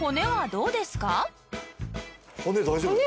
骨大丈夫ですか？